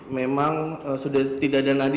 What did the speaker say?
memang sudah tidak ada nadi